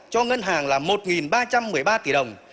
cho ngân hàng là một ba trăm một mươi ba tỷ đồng